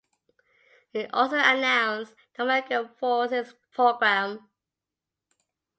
He also announced "The American Forces Programme".